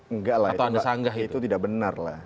enggak lah itu tidak benar lah